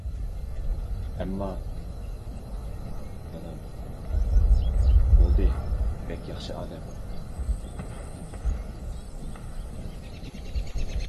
ئەمما، دادام- بولدى، بەك ياخشى ئادەم.